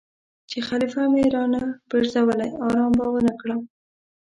چې خلیفه مې را نه پرزولی آرام به ونه کړم.